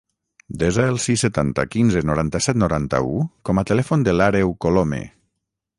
Desa el sis, setanta, quinze, noranta-set, noranta-u com a telèfon de l'Àreu Colome.